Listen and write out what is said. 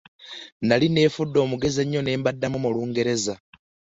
Nali neefudde omugezi ennyo ne mbaddamu mu Lungereza.